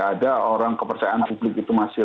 ada orang kepercayaan publik itu masih